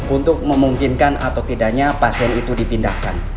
untuk memungkinkan atau tidaknya pasien itu dipindahkan